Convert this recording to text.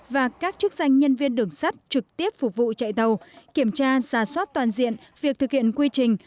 và các chức danh nhân viên đường sắt trực tiếp phục vụ chạy tàu kiểm tra xà xoát toàn diện việc thực hiện quy trình